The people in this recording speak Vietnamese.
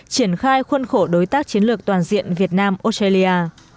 triển khai khuân khổ đối tác chiến lược toàn diện việt nam australia